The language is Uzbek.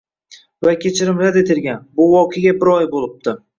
va kechirim rad etilgan, bu voqeaga bir oy bo'libdi